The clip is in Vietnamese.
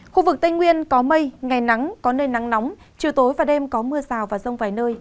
khu vực tây nguyên có mây ngày nắng có nơi nắng nóng chiều tối và đêm có mưa rào và rông vài nơi